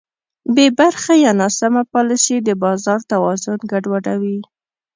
بېبرخې یا ناسمه پالیسي د بازار توازن ګډوډوي.